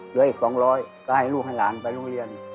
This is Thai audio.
เดี๋ยวอีก๒๐๐บาทก็ให้ลูกหลานไปโรงเรียน